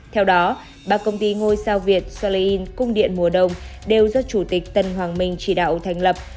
theo đó ba công ty ngôi sao việt sale in cung điện mùa đông đều do chủ tịch tân hoàng minh chỉ đạo thành lập